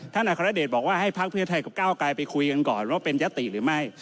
อัครเดชบอกว่าให้พักเพื่อไทยกับก้าวไกลไปคุยกันก่อนว่าเป็นยติหรือไม่